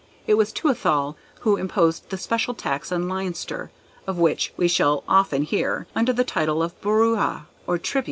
It was Tuathal who imposed the special tax on Leinster, of which, we shall often hear—under the title of Borooa, or Tribute.